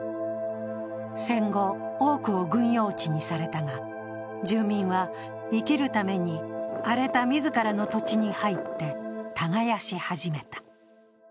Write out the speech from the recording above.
戦後、多くを軍用地にされたが住民は、生きるために荒れた自らの土地に入って耕し始めた。